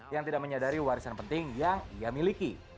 yang tidak menyadari warisan penting yang ia miliki